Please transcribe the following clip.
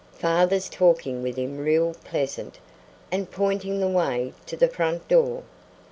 Father's talking with him real pleasant, and pointing the way to the front door."